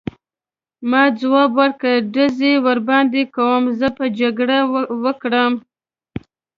ما ځواب ورکړ: ډزې ورباندې کوم، زه به جګړه وکړم.